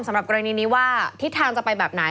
สำหรับกรณีนี้ว่าทิศทางจะไปแบบไหน